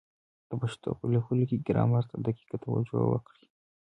د پښتو په لیکلو کي ګرامر ته دقیقه توجه وکړئ!